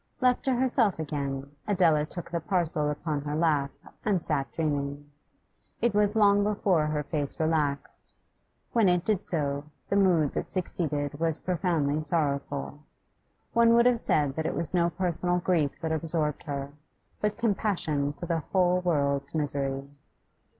Left to herself again, Adela took the parcel upon her lap and sat dreaming. It was long before her face relaxed; when it did so, the mood that succeeded was profoundly sorrowful. One would have said that it was no personal grief that absorbed her, but compassion for the whole world's misery.